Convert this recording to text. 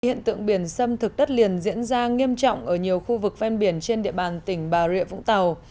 hiện tượng biển xâm thực đất liền diễn ra nghiêm trọng ở nhiều khu vực ven biển trên địa bàn tỉnh bà rịa vũng tàu